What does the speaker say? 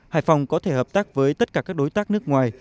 hải phòng có thể hợp tác với tất cả các đối tác nước ngoài